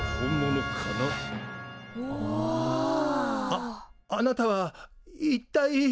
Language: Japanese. ああなたは一体？